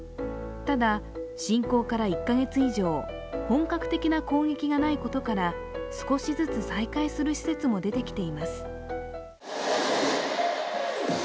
ただ、侵攻から１カ月以上本格的な攻撃がないことから少しずつ再開する施設も出てきています。